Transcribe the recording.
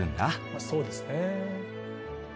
まあそうですねえ。